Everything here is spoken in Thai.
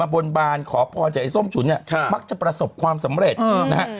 บนบานขอพรจากไอ้ส้มฉุนเนี่ยมักจะประสบความสำเร็จนะฮะ